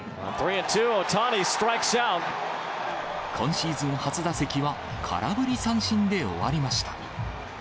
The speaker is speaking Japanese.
今シーズン初打席は空振り三振で終わりました。